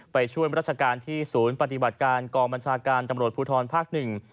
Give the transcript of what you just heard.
ไปช่วยราชการที่ศูนย์ปฏิบัติการกองบัญชาการตำรวจภูทรภาคหนึ่ง